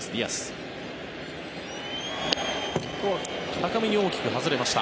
高めに大きく外れました。